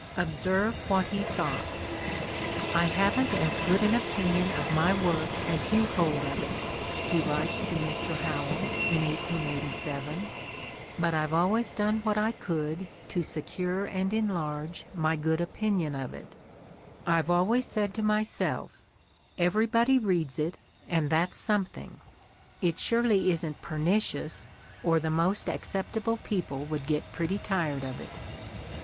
Observe what 20 The Ordeal of Mark Twain he thought. "I haven't as good an opinion of my work as you hold of it," he writes to Mr. Howells in 1887, "but I've always done what I could to secure and enlarge my good opinion of it. I've always said to Jnyself, 'Everybody reads it and that's something— it surely isn't pernicious, or the most acceptable people would get pretty tired of it.'